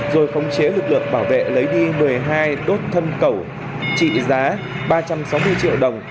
rồi khống chế lực lượng bảo vệ lấy đi một mươi hai đốt thân cẩu trị giá ba trăm sáu mươi triệu đồng